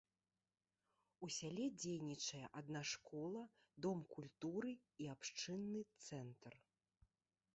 У сяле дзейнічае адна школа, дом культуры і абшчынны цэнтр.